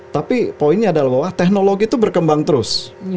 tapi poinnya adalah bahwa teknologi itu berkembang terus